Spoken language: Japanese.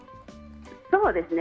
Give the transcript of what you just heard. そうですね。